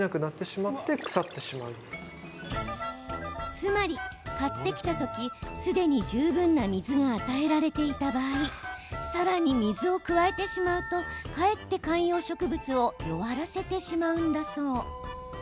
つまり買ってきた時、すでに十分な水が与えられていた場合さらに水を加えてしまうとかえって観葉植物を弱らせてしまうんだそう。